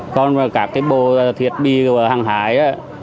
còn các cái bộ thiết bị hàng hái